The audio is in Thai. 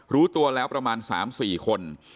รู้ตัวแล้วประมาณ๓๔คน